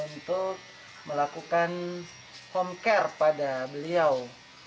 untuk melakukan home care pada beliau